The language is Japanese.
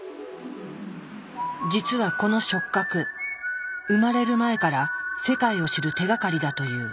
実はこの触覚生まれる前から世界を知る手がかりだという。